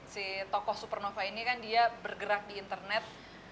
si tokoh supernova ini kan dia bergerak di internet